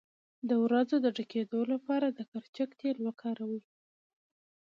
د وروځو د ډکیدو لپاره د کرچک تېل وکاروئ